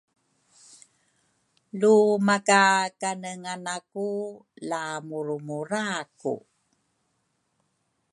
Lu maka kanenga naku la murumura ku